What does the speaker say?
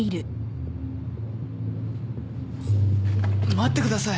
待ってください。